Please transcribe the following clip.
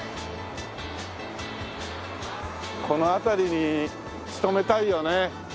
この辺りに勤めたいよね。